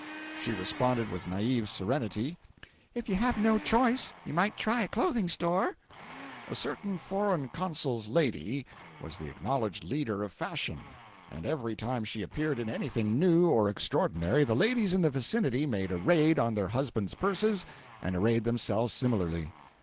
She responded with naive serenity: "If you have no choice, you might try a clothing store!" 424.jpg (63K) A certain foreign consul's lady was the acknowledged leader of fashion, and every time she appeared in anything new or extraordinary, the ladies in the vicinity made a raid on their husbands' purses and arrayed themselves similarly.